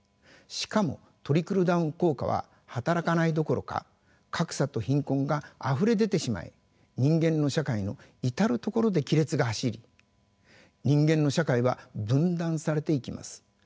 しかもトリクルダウン効果は働かないどころか格差と貧困があふれ出てしまい人間の社会の至る所で亀裂が走り人間の社会は分断されていきます。